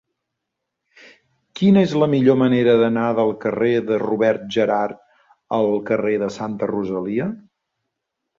Quina és la millor manera d'anar del carrer de Robert Gerhard al carrer de Santa Rosalia?